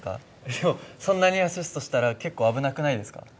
でもそんなにアシストしたら結構危なくないですか？